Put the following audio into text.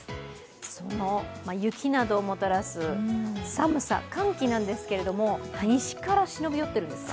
雪などをもたらす寒さ、寒気ですけれども、西から忍び寄っているんですか？